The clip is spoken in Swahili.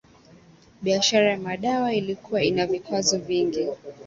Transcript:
Biashara ya madawa ilikuwa ina vikwazo vingi